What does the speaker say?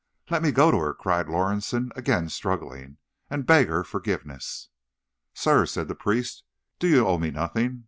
"Let me go to her," cried Lorison, again struggling, "and beg her forgiveness!' "Sir," said the priest, "do you owe me nothing?